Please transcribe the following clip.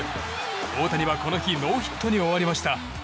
大谷は、この日ノーヒットに終わりました。